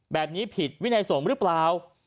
แบบนี้ผิดวินัยสงฆ์หรือเปล่า